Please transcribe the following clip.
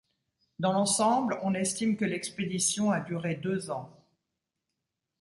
Dans l'ensemble, on estime que l'expédition a duré deux ans.